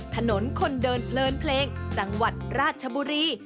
ถนนคนเดินเพลินเพลงจังหวัดราชบุรี